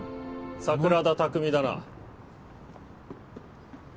桜田卓海だな。